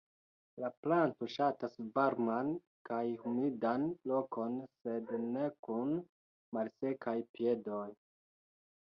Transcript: La planto ŝatas varman kaj humidan lokon, sed ne kun "malsekaj piedoj".